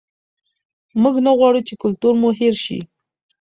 موږ نه غواړو چې کلتور مو هېر شي.